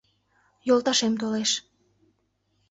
Йолташем толеш.